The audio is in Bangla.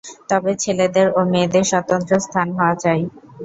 তবে ছেলেদের ও মেয়েদের স্বতন্ত্র স্থান হওয়া চাই।